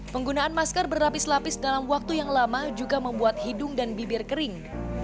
penggunaan masker berlapis lapis dalam waktu yang lama juga membuat hidung dan bibir kering